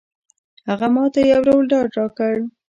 هغه ماته یو ډول ډاډ راکړ.